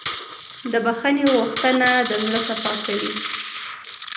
د بښنې غوښتنه د زړه صفا کوي.